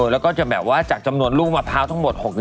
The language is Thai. แล้วก็จะแบบว่าจากจำนวนลูกมะพร้าวทั้งหมด